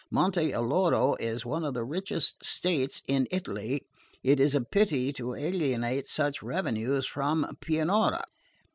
Monte Alloro is one of the richest states in Italy. It is a pity to alienate such revenues from Pianura."